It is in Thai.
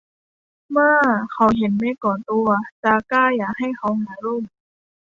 เมื่อเขาเห็นเมฆก่อตัว จาก้าอยากให้เขาหาร่ม